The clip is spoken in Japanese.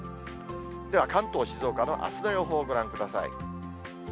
では関東、静岡のあすの予報をご覧ください。